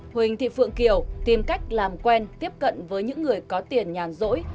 huỳnh thị phượng kiều tìm cách làm quen tiếp cận với những người có tiền nhàn rỗi